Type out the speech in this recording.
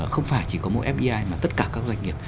không phải chỉ có mỗi fdi mà tất cả các doanh nghiệp